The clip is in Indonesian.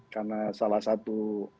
karena salah satu